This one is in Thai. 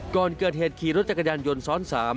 ก่อนเกิดเหตุขี่รถจักรยานยนต์ซ้อน๓